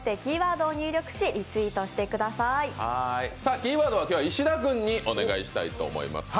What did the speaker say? キーワードは今日は石田君にお願いしたいと思います。